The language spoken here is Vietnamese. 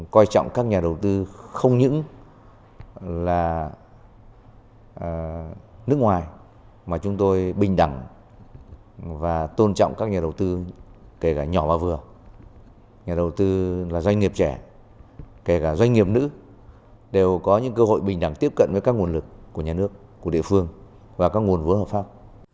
kể cả doanh nghiệp nữ đều có những cơ hội bình đẳng tiếp cận với các nguồn lực của nhà nước của địa phương và các nguồn vốn hợp pháp